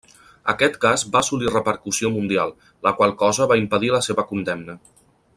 Aquest cas va assolir repercussió mundial, la qual cosa va impedir la seva condemna.